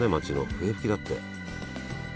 笛吹だって。